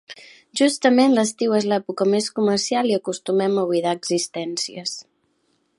Justament l'estiu és l'època més comercial i acostumem a buidar existències.